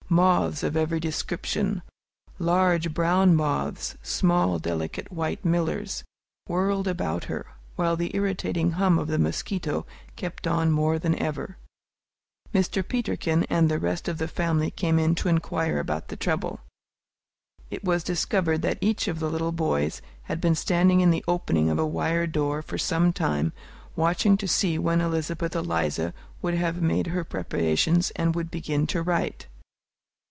Moths of every description large brown moths, small, delicate white millers whirled about her, while the irritating hum of the mosquito kept on more than ever. Mr. Peterkin and the rest of the family came in to inquire about the trouble. It was discovered that each of the little boys had been standing in the opening of a wire door for some time, watching to see when Elizabeth Eliza would have made her preparations and would begin to write.